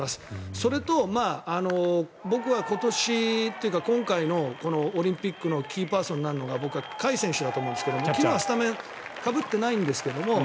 それと、僕は今年っていうか今回のオリンピックのキーパーソンになるのが僕は甲斐選手だと思うんですけど昨日はスタメンかぶってないんですけども